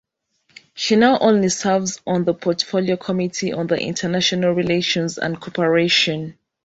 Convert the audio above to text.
She now only serves on the Portfolio Committee on International Relations and Cooperation.